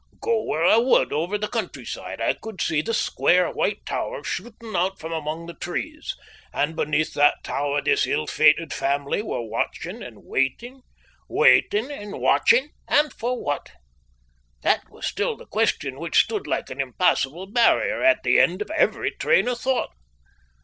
Go where I would over the countryside, I could see the square, white tower shooting out from among the trees, and beneath that tower this ill fated family were watching and waiting, waiting and watching and for what? That was still the question which stood like an impassable barrier at the end of every train of thought.